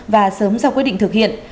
và sớm sau quyết định thực hiện